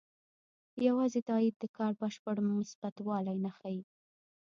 یوازې تایید د کار بشپړ مثبتوالی نه ښيي.